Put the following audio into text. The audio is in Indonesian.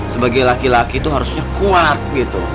sebagai laki laki itu harusnya kuat gitu